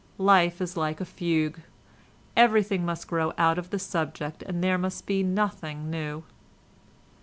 Life is like a fugue, everything must grow out of the subject and there must be nothing new.